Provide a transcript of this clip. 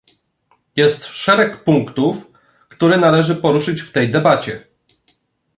Jest szereg punktów, które należy poruszyć w tej debacie